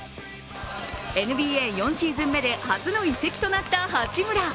ＮＢＡ４シーズン目で初の移籍となった八村。